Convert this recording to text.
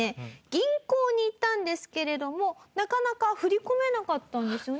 銀行に行ったんですけれどもなかなか振り込めなかったんですよね？